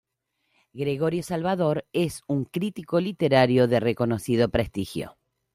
Gregorio Salvador es un crítico literario de reconocido prestigio.